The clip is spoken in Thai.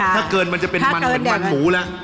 ถ้าเกินมันจะเป็นมันเหมือนมันหมูแล้ว